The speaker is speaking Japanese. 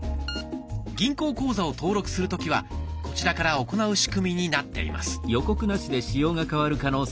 銀行口座を登録する時はこちらから行う仕組みになっています。